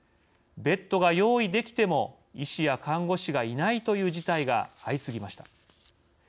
ベッドが用意できても医師や看護師がいないという事態が相次ぎました。